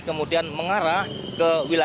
kemudian mengarah ke wilayah